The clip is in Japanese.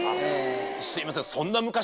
すいません。